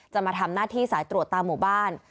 มาทำหน้าที่สายตรวจตามหมู่บ้าน